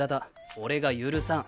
俺が許さん。